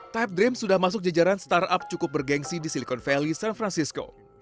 type dream sudah masuk jajaran startup cukup bergensi di silicon valley san francisco